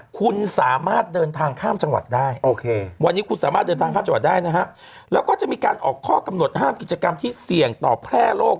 คุณสามารถเดินทางข้ามจังหวัดได้โอเควันนี้คุณสามารถเดินทางข้ามจังหวัดได้นะฮะแล้วก็จะมีการออกข้อกำหนดห้ามกิจกรรมที่เสี่ยงต่อแพร่โลก